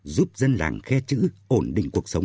giúp dân làng khe chữ ổn định cuộc sống